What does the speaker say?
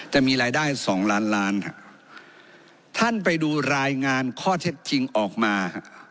จะมีรายได้สองล้านล้านฮะท่านไปดูรายงานข้อเท็จจริงออกมา